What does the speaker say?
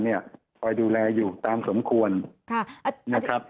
คอยดูแลอยู่ตามสมควรนะครับ